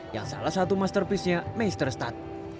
yang salah satu masterpiece nya meisterstad